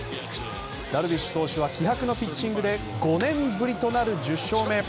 ダルビッシュ投手は気迫のピッチングで５年ぶりとなる１０勝目。